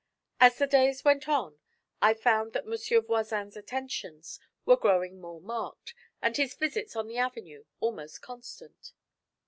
As the days went on I found that Monsieur Voisin's attentions were growing more marked, and his visits on the avenue almost constant.